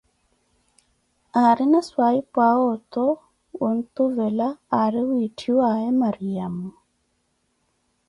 Árina swahiphuʼawe oto wontuvela âri wiitthiwaaye Mariamo.